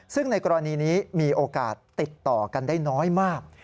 ซึ่งในกรณีนี้มีโอกาสติดต่อกันได้น้อยมาก